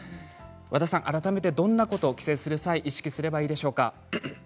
和田さん、改めてどんなことを帰省する際意識すればいいでしょうか。